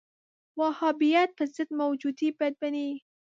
وهابیت پر ضد موجودې بدبینۍ